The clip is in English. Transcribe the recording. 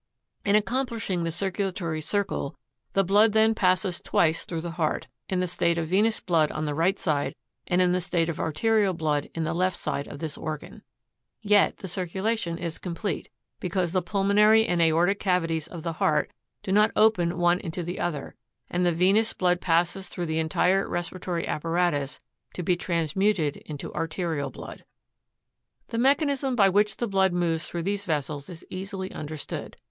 43. In accomplishing the circulatory circle, the blood then passes twice through the heart, in the state of venous blood on the right side, and in the state of arterial blood in the left side of this organ ; (page 36. Jig. 5. #• page 42. Jig. 8.) yet, the cir culation is complete, because the pulmonary and aortic cavities of the heart do not open one into the other, and the venous blood passes through the entire respiratory apparatus to be transmuted into arterial blood. 44 The mechanism by which the blood moves through these vessels is easily understood.